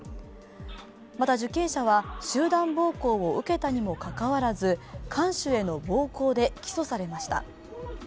また、受刑者は、集団暴行を受けたにもかかわらず、看守への暴行で起訴されました。